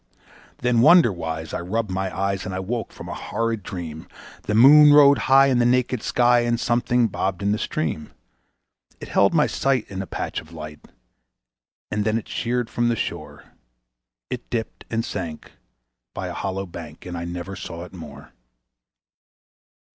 Then, wonder wise, I rubbed my eyes and I woke from a horrid dream. The moon rode high in the naked sky, and something bobbed in the stream. It held my sight in a patch of light, and then it sheered from the shore; It dipped and sank by a hollow bank, and I never saw it more.